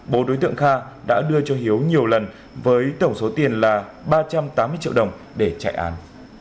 bố đối tượng kha đã đưa cho hiếu nhiều lần với tổng số tiền là ba trăm tám mươi triệu đồng để chạy án